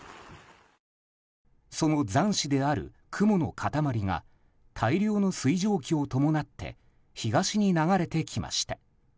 その残滓である雲の塊が大量の水蒸気を伴って東に流れてきました。